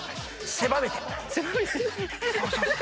「狭めて」